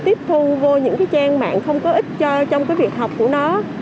tiếp thu vô những trang mạng không có ích cho trong việc học của nó